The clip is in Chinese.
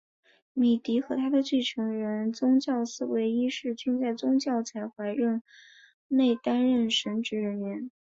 米迪和他的继任人教宗思维一世均在教宗才林任内担任神职人员。